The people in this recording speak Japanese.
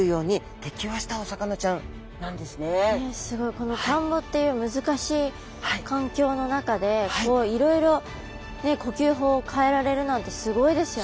この田んぼっていう難しい環境の中でいろいろ呼吸法を変えられるなんてすごいですよね。